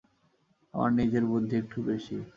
আমার নিজের বুদ্ধি একটু বেশি।